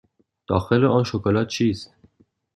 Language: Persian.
داخل آن شکلات چیست؟